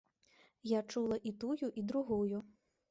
Я чула і тую, і другую.